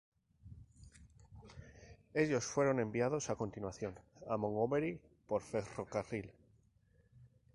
Ellos fueron enviados a continuación a Montgomery por ferrocarril.